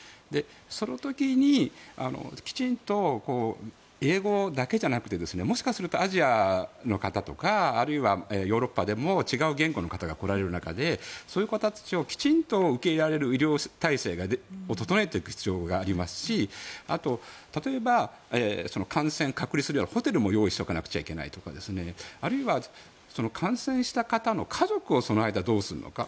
その時にきちんと英語だけじゃなくてもしかするとアジアの方とかあるいはヨーロッパでも違う言語の方が来られる中でそういう方たちをきちんと受け入れられる医療体制を整えておく必要がありますしあと、例えば感染隔離するようなホテルも用意しておかなきゃいけないとかあるいは感染した方の家族をその間、どうするのか。